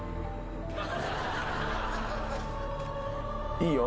「いいよ。